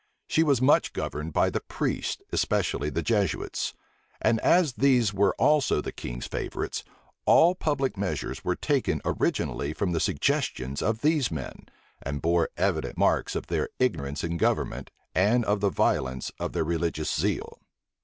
She was much governed by the priests especially the Jesuits; and as these were also the King's favorites, all public measures were taken originally from the suggestions of these men, and bore evident marks of their ignorance in government, and of the violence of their religious zeal.